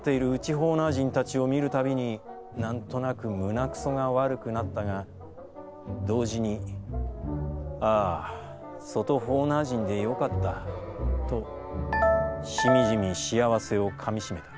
ホーナー人たちを見るたびに何となく胸糞がわるくなったが、同時に、ああ外ホーナー人でよかったとしみじみ幸せをかみしめた」。